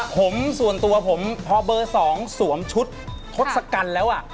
ผมส่วนตัวผมพอเบอร์๒สวมชุดทศกัณฐ์แล้ว